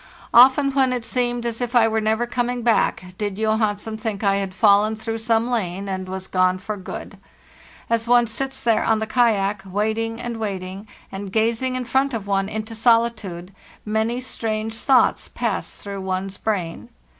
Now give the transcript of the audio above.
Often, when it seemed as if I were never coming back, did Johansen think I had fallen through some lane and was gone for good. As one sits there on the kayak, waiting and waiting, and gazing in front of one into solitude, many strange thoughts pass through one's brain.